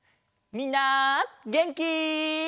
みんなげんき？